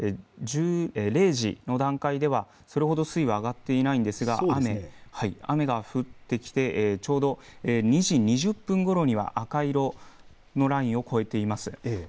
０時の段階ではそれほど水位が上がっていませんが雨が降ってきて、ちょうど２時２０分ごろに赤色のラインを超えています。